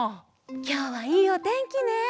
きょうはいいおてんきね！